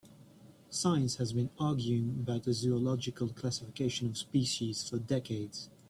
Science has been arguing about the zoological classification of the species for decades.